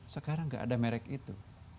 sekarang gak ada merek itu